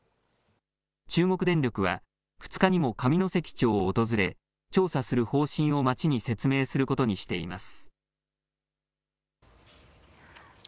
中国電力は２日にも上関町を訪れ調査する方針を町に説明することにしています。